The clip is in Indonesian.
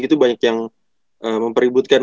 itu banyak yang mempeributkan